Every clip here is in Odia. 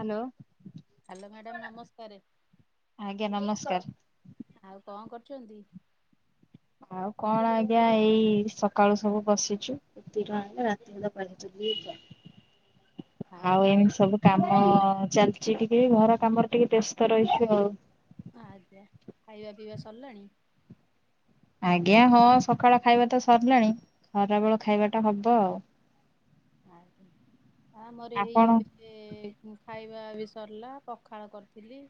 ହାଲୋ। ହ୍ୟାଲୋ ମ୍ୟାଡାମ, ନମସ୍କାରେ। ଆଜ୍ଞା ନମସ୍କାର। ଆଉ କଣ କରୁଛନ୍ତି? ଆଉ କଣ, ଆଜ୍ଞା ଏଇ ସକାଳୁ ସବୁ ବସିଛୁ। [unintelligible] [inaudible] ଆଉ ଖାଇ ଏମିତି ସବୁ କାମ ଚାଲିଛି। ଟିକେ ଘର କାମରେ ଟିକେ ବ୍ୟସ୍ତ ରହିଛୁ, ଆଉ। ଆଜ୍ଞା। ଖାଇବା ପିଇବା ସରିଲାଣି? ଆଜ୍ଞା, ହଁ। ସକାଳ ଖାଇବା ତ ସରିଲାଣି। ଖରା ବେଳ ଖାଇବାଟା ହବ ଆଉ। ଆଜ୍ଞା। ଆମର ଏଇ ଆପଣ ଏବେ ବେ ଖାଇବା ବି ସରିଲା। ପଖାଳ କରିଥିଲି।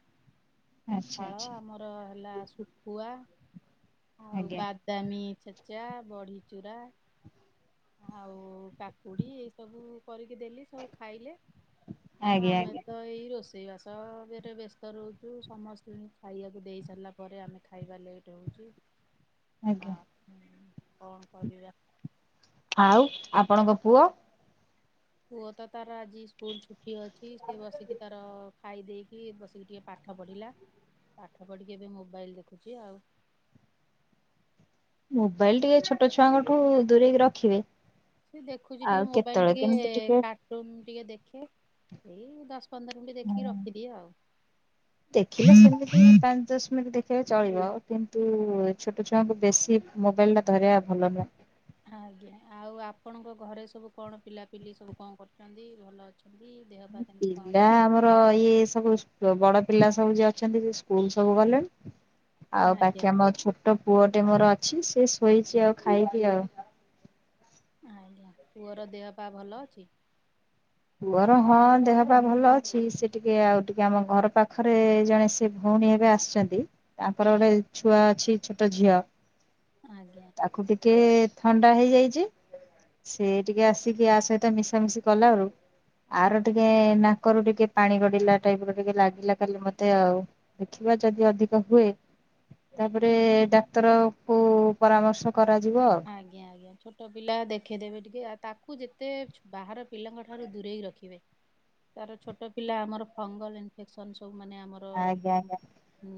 ଆଚ୍ଛା ପଖାଳ, ଆଚ୍ଛା ଆମର ହେଲା ଶଖୁଆ। ଆଉ ଆଜ୍ଞା ବାଦାମୀ ଛେଚା ବଢି ଚୂୁରା। ଆଉ କାକୁଡି ଏଇ ସବୁ କରିକି ଦେଲି ସବୁ ଖାଇଲେ ଆଉ ଆଜ୍ଞା ଆମେ ଆଜ୍ଞା ତ ଏଇ ରୋଷେଇ ବାସ ଏରେ ବ୍ୟସ୍ତ ରହୁଛୁ ସମସ୍ତଙ୍କୁ ଖାଇବାକୁ ଦେଇ ସାରିଲା ପରେ ଆମେ ଖାଇବା ଲେଟ୍ ହେଉଛି ଆଜ୍ଞା। ଆ କଣ କରିବା ଆଉ ଆପଣଙ୍କ ପୁଅ। ପୁଅ ତ ତାର ଆଜି ସ୍କୁଲ ଛୁଟି ଅଛି ସିଏ ବସିକି ତାର ଖାଇ ଦେଇକି ବସିକି ଟିକେ ପାଠ ପଢ଼ିଲା ପାଠ ପଢ଼ିକି ଏବେ ମୋବାଇଲ ଦେଖୁଛି ଆଉ। ମୋବାଇଲ ଟିକେ ଛୋଟ ଛୁଆଙ୍କଠୁ ଦୂରେଇକି ରଖିବେ। ସେ ଦେଖୁଛି ଆଉ ଟିକେ ମୋବାଇଲ କେତେବେଳେ ଟିକେ କେମିତି କା କାର୍ଟୁନ ଟିକେ ଦେଖେ ଏଇ ଦଶ-ପନ୍ଦର ମିନିଟ୍ ଦେଖିକି ଟିକେ ରଖିଦିଏ ଆଉ। ଦେଖିଲେ ସେମିତି ପାଞ୍ଚ-ଦଶ ମିନିଟ୍ ଦେଖିଲେ ଚଳିବ କିନ୍ତୁ ଛୋଟ ଛୁଆଙ୍କୁ ବେଶୀ ମୋବାଇଲ ଟା ଧରିବା ଭଲ ନୁହଁ। ଆଜ୍ଞା ଆଉ ଆପଣଙ୍କ ଘରେ ସବୁ କଣ ପିଲାପିଲି ସବୁ କଣ କରୁଛନ୍ତି ଭଲ ଅ ଛନ୍ତି ଦେହପା କେମିତି କଣ ଅଛି। ତ ଇଏ ସବୁ ବଡ ପିଲା ସବୁ ଯିଏ ଅଛନ୍ତି ସେ ସ୍କୁଲ ସବୁ ଗଲେଣି। ଆଉ ଆଜ୍ଞା ବାକି ଆମ ଛୋଟ ପୁଅଟେ ମୋର ଅଛି ସେ ଶୋଇଛି ଆଉ ଖାଇପି ଆଉ। ଆଜ୍ଞା ପୁଅର ଦେହ ପା ଭଲ ଅଛି। ପୁଅର ହଁ ଦେହପା ଭଲ ଅଛି ସେ ଟିକେ ଆଉ ଟିକେ ଆମ ଘର ପାଖରେ ଜଣେ ସେ ଭଉଣୀ ଏବେ ଆସିଛନ୍ତି ତାଙ୍କର ଗୋଟେ ଛୁଆ ଅଛି ଛୋଟ ଝିଅ। ଆଜ୍ଞା। ତାକୁ ଟିକେ ଥଣ୍ଡା ହେଇଯାଇଛି। ସେ ଟିକେ ଆସିକି ଆ ସହିତ ମିଶାମିଶି କଲାଳୁ ଆର ଟିକେ ନାକରୁ ଟିକେ ପାଣି ଗଡିଲା ଟାଇପ ର ଟିକେ ଲାଗିଲା କାଲି ମତେ ଆଉ। ଦେଖିବା ଯଦି ଅଧିକ ହୁଏ ତାପରେ ଡାକ୍ତର କୁ ପରାମର୍ଶ କରାଯିବ। ଆଉ। ଆଜ୍ଞା ଆଜ୍ଞା ଛୋଟ ପିଲା ଦେଖେଇଦେବେ ଟିକେ ଆ ତାକୁ ଯେତେ ବାହାର ପିଲାଙ୍କ ଠାରୁ ଦୂରେଇ ରଖିବେ। ତାର ଛୋଟ ପିଲା ଆମର ଫଙ୍ଗଲ ଇନଫେକ୍ସନ ସବୁ ମାନେ ଆମର ଆଜ୍ଞା ଆଜ୍ଞା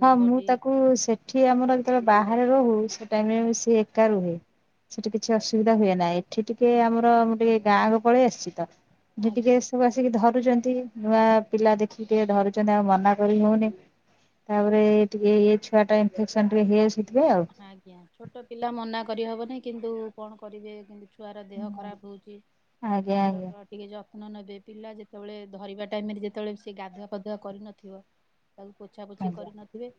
ହଁ ମୁଁ ବଡି ତାକୁ ସେଠ ସେଠି ଆମର ଯେତେବେଳେ ବାହାରେ ରହୁ ସେ ଟାଇମ ସିଏ ଏକା ରୁହେ। ସେଠି କିଛି ଅସୁବିଧା ହୁଏ ନାହିଁ ଏଠି ଟିକେ ଆମର ମୁଁ ଟିକେ ଗାଁକୁ ପଳେଇ ଆସିଛି ତ ଠି ଟିକେ ଆଜ୍ଞା ସବୁ ଆସିକି ଧରୁଛନ୍ତି ନୂଆ ପିଲା ଦେଖିକି ଟିକେ ଧରୁଛନ୍ତି ଆଉ ମନା କରି ହଉନି ତାପରେ ଟିକେ ଏ ଛୁଆ ଟା ଇନଫେକ୍ସନ ଟିକେ ହେଇ ଆସିଥିଲେ ଆଉ ଆଜ୍ଞା ଛୋଟ ପିଲା ମନା କରିହବନି କିନ୍ତୁ କଣ କରିବେ କିନ୍ତୁ ଛୁଆର ଦେହ ଆଉ। ଖରାପ ହେଉଛି ଆଜ୍ଞା ଆଜ୍ଞା ତାର ଟିକେ ଯତ୍ନ ନେବେ ପିଲା ଯେତେବେଳେ ଧରିବା ଟାଇମରେ ଯେତେବେଳେ ସେଏ ଗାଧୁଆ ପାଧୁଆ କରିନଥିବ ତାକୁ ପୋଛା ପୋଛି ଆଜ୍ଞା କରି ନଥିବେ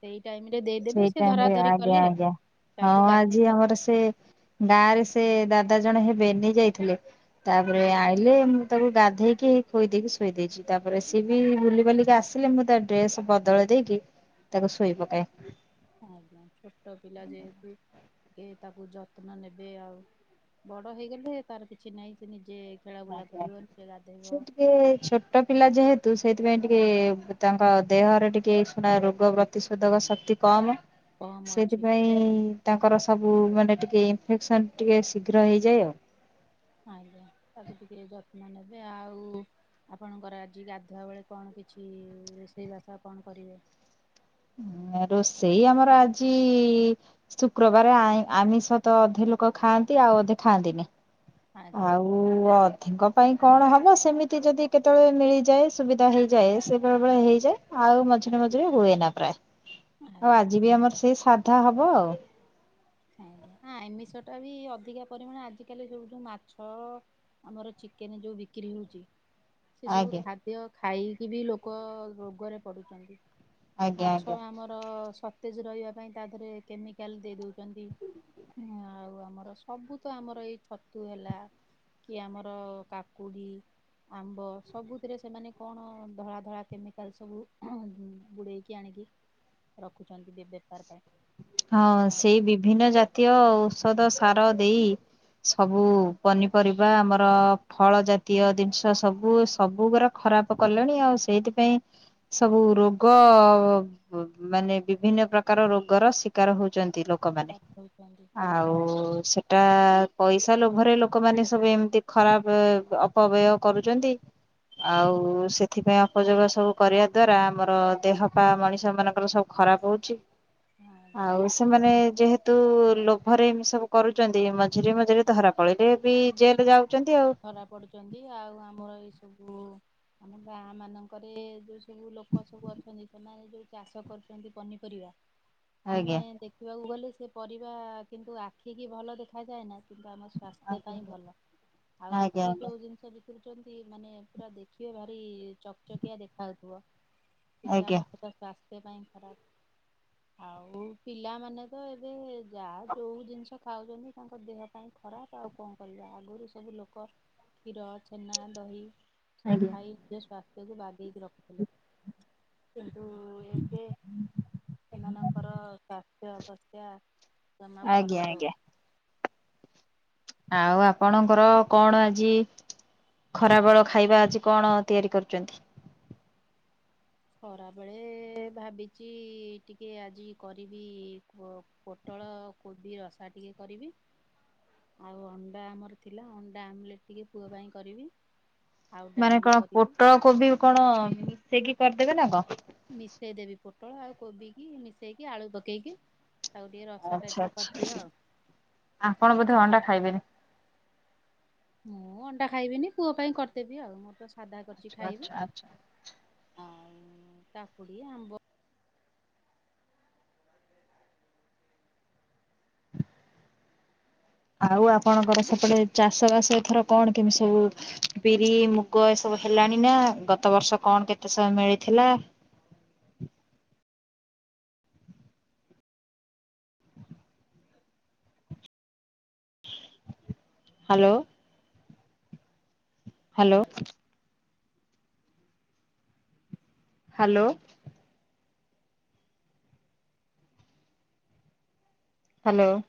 ସେଇ ଟାଇମ ରେ ଦେଇଦେବେ ସେଇ ସେ ଧରା ଟାଇମରେ ଧରି ଆଜ୍ଞା କଲେ ଆଜ୍ଞା ତାକୁ ହଁ ଗାଧେଇ ଆଜି ଆମର ପାଧେଇକି ସେ ଗାଁ ରେ ସେ ଦାଦା ଜଣେ ହେବେ ନେଇ ଯାଇଥିଲେ ଆଜ୍ଞା ତାପରେ ଆଣିଲେ ତାକୁ ଗାଧେଇକି ଖୋଇ ଦେଇକି ଶୋଇ ଦେଇଛି ତାପରେ ସିଏ ବି ବୁଲି ବାଲିକି ଆସିଲେ ମୁଁ ତା ଡ୍ରେସ୍ ବଦଳେଇ ଦେଇକି ତାକୁ ଶୋଇ ପକାଏ। ହଁ ହଁ ଛୋଟ ପିଲା ଯେହେତୁ କି ତାକୁ ଯତ୍ନ ନେବେ ଆଉ ବଡ଼ ହେଇଗଲେ ତାର କିଛି ନାଇଁ ସେ ନିଜେ ଖେଳା ବୁଲା କରିବ ନିଜେ ଗଧେଇବ। ଏ ଛୋଟ ପିଲା ଯେହେତୁ ସେଥିପାଇଁ ଟିକେ ତାଙ୍କ ଦେହରେ ଟିକେ ଏଶୁଣା ରୋଗ ପ୍ର ପ୍ରତିରୋଧକ ଶକ୍ତି କମ। କମ୍ ଅଛି ସେଥିପାଇଁ ତାଙ୍କର ସବୁ ମାନେ ଟିକେ ଇନଫେକ୍ସନ ଟିକେ ଶୀଘ୍ର ହେଇଯାଏ ଆଉ। ଆଜ୍ଞା ତାକୁ ଟିକେ ଯତ୍ନ ନେବେ ଆଉ ଆପଣଙ୍କର ଆଜି ଗାଧୁଆ ବେଳେ କଣ କିଛି ରୋଷେଇବାସ କଣ କରିବେ। ରୋଷେଇ ଆମର ଆଜି ଶୁକ୍ରବାର ଆଇଁ - ଆମିଷ ତ ଅଧେ ଲୋକ ଖାଆନ୍ତି, ଆଉ ଅଧେ ଖାଆନ୍ତିନି। ଆଜ୍ଞା ଆଉ ଆଉ ଅଧେଙ୍କ ପାଇଁ କଣ ହବ। ସେମିତି ଯଦି କେତେବେଳେ ମିଳିଯାଏ ସୁବିଧା ହେଇଯାଏ ସେ ବେଳେବେଳେ ହେଇଯାଏ। ଆଉ ମଝିରେ ମଝିରେ ହୁଏ ନା ପ୍ରାୟ। [inaudible] ଆଉ ଆଜି ବି ଆମର ସେଇ ସାଧା ହବ ଆଉ। ଆଜ୍ଞା। ହଁ, ଆମିଷ ଟା ବି ଅଧିକା ପରିମାଣରେ ଆଜିକାଲି ସବୁ ଯୋଉ ମାଛ ଆମର ଚିକେନ ଯୋଉ ବିକ୍ରି ହଉଛି। ସେ ସବୁ ଆଜ୍ଞା ଖାଦ୍ୟ ଖାଇକି ବି ଲୋକ ରୋଗରେ ପଡ଼ୁଛନ୍ତି। ଆଜ୍ଞା ମାଛ ଆଜ୍ଞା। ଆମର ସତେଜ ରହିବା ପାଇଁ ତା ଦେହରେ କେମିକାଲ ଦେଇ ଦଉ ଛନ୍ତି। ଆଉ ଆମର ସବୁ ତ ଆମର ଏଇ ଛତୁ ହେଲା କି ଆମର କାକୁଡ଼ି ଆମ୍ବ ସବୁଥିରେ ସେମାନେ କଣ ଧଳା-ଧଳା କେମିକାଲ ସବୁ ବୁଡ଼େଇ କିି ଆଣିକି ରଖୁଛନ୍ତି ବେପାର ପାଇଁ। ହଁ, ସେଇ ଆଉ ବିଭିନ୍ନ ଜାତୀୟ ଔଷଧ, ସାର ଦେଇ ସବୁ ପନିପରିବା ଆମର ଫଳ ଜାତୀୟ ଜିନିଷ ସବୁ- ସବୁଗୁରା ଖରାପ କଲେଣି। ଆଉ ସେଇଥିପାଇଁ ସବୁ ରୋଗ ମାନେ ବିଭିନ୍ନ ପ୍ରକାର ରୋଗର ଶିକ ଶିକାର ହଉଛନ୍ତି ଲୋକ। ଶିକାର ହଉଛନ୍ତି। ଆଉ ସେଟା ପଇସା ଲୋଭରେ ଲୋକମାନେ ସବୁ ଏମିତି ଖରାପ ଅପବ୍ୟୟ କରୁଛନ୍ତି। ଆଉ ସେଥିପାଇଁ ଅପଯୋଗ ସବୁ କରିବା ଦ୍ଵାରା ଆମର ଦେହ ପାଆ ମଣିଷ ମାନଙ୍କର ସବୁ ଖରାପ ହଉଛି। ଆଉ ସେମାନେ ଯେହେତୁ ତୁ ଲୋଭରେ ଏମିତି ସବୁ କରୁଛନ୍ତି ମଝିରେ- ମଝିରେ ଧରା ପଡ଼ିଲେ ବି ଜେଲ ଯାଉଛନ୍ତି ଆଉ। ଧରା ପଡୁଛନ୍ତି। ଆଉ ଆମର ଏଇ ସବୁ ଆମ ଗାଁ ମାନଙ୍କରେ ଯୋଉ ସବୁ ଲୋକ ସବୁ ଅଛନ୍ତି, ସେମାନେ ଯୋଉ ଚାଷ କରୁଛନ୍ତି ପନିପରିବା ଆମେ ଆଜ୍ଞା। ଦେଖ ଦେଖିବାକୁ ଗଲେ ସେ ପରିବା କିନ୍ତୁ ଆଖିକି ଭଲ ଦେଖାଯାଏ ନା। କିନ୍ତୁ ଆମ ସ୍ୱାସ୍ଥ୍ୟ ଆଜ୍ଞା ପାଇଁ ଭଲ। ଆଉ ଆଜ୍ଞା ଇଏ ଯୋଉ ଜିନିଷ [unintelligible] ଛନ୍ତି ମାନେ ପୁରା ଦେଖିବେ ଭାରି ଚକଚକିଆ ଦେଖାଯାଉଥିବ। କିନ୍ତୁ ଆଜ୍ଞା ଆମର ସେଟା ସ୍ୱାସ୍ଥ୍ୟ ପାଇଁ ଖରାପ। ଆଉ ପିଲାମାନେ ତ ଏବେ ଯାହା ଯୋଉ ଜିନିଷ ଖାଉଛନ୍ତି ତାଙ୍କ ଦେହ ଦେହ ପାଇଁ ଖରାପ ଆଉ କଣ କରିବା? ଆଗରୁ ସବୁ ଲୋକ ଲୋକ କ୍ଷୀର, ଛେନା, ଦହି ସବୁ ଖାଇ [unintelligible] ସ୍ୱା ସ୍ଥ୍ୟ କୁ ବାଗେଇକି ରଖୁଥିଲେ। କିନ୍ତୁ ଏବେ ଏମାନଙ୍କର ସ୍ୱାସ୍ଥ୍ୟ ଅବସ୍ଥା ଜମା ଆଜ୍ଞା ଭଲ ଆଜ୍ଞା। ରହୁ ଆଉ ଆପଣଙ୍କର କଣ ଆଜି ଖରାବେଳ ଖାଇବା ଆଜି କଣ ତିଆରି କରୁଛନ୍ତି? ଖରାବେଳେ ଭାବିଛି ଟିକେ ଆଜି କରିବି ପୋଟଳ, କୋବି ରସା ଟିକେ କରିବି। ଆଉ ଅଣ୍ଡା ଆମର ଥିଲା, ଅଣ୍ଡା ଆମ୍ଲେଟ ଟିକେ ପୁଅ ପାଇଁ କରିବି। ଆଉ ମାନେ ଡାଲି କଣ କରିବି ପୋଟଳ, କୋବି କଣ ମିଶେଇକି କରିଦେବେ ନା କଣ? ମିଶେଇ ଦେବି ପୋଟଳ ଆଉ କୋବି କି ମିଶେଇକି ଆଳୁ ପକେଇକି ତାକୁ ଟିକେ ରସା ଆଚ୍ଛା ଟାଇପ ର ଆଚ୍ଛା କରିଦିଏ ଆଉ। ଆପଣ ବୋଧେ ଅଣ୍ଡା ଖାଇବେନି? ମୁଁ ଅଣ୍ଡା ଖାଇବିନି। ପୁଅ ପାଇଁ କରିଦେବି ଆଉ, ମୁଁ ତ ସାଧା କରିଛି ଆଚ୍ଛା ଖାଇବି। ଆଚ୍ଛା ଆଚ୍ଛା। ଆଉ କାକୁଡି, ଆମ୍ବ ଆଉ ଆପଣଙ୍କର ସେପଟେ ଚାଷ ବାସ ଏଥର କଣ କେମିତି ସବୁ ବିରି, ମୁଗ ଏସବୁ ହେଲାଣି ନା ଗତ ବର୍ଷ କଣ କେତେ ସବୁ ମିଳିଥିଲା? ହାଲୋ। ହ୍ୟାଲୋ। ହ୍ୟାଲୋ। ହ୍ୟାଲୋ।